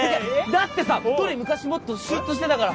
だってさトリ昔もっとシュッとしてたから。